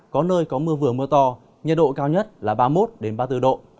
có nơi có mưa vừa mưa to nhiệt độ cao nhất là ba mươi một ba mươi bốn độ